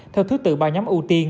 theo thứ tự ba nhóm